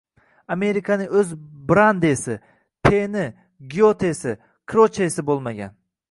Amerikaning o‘z Brandesi, Teni, Gyotesi, Krochesi bo‘lmagan